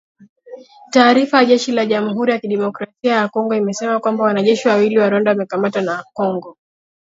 Taarifa ya jeshi la Jamhuri ya Kidemokrasia ya kongo imesema kwamba, wanajeshi wawili wa Rwanda wamekamatwa na kongo